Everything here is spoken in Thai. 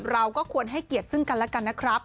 เราก็ควรให้เกียรติซึ่งกันแล้วกันนะครับ